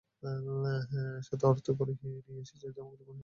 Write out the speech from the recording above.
সাথে অর্থকড়ি নিয়ে এসেছি যা মুক্তিপণ হিসাবে প্রদান করব।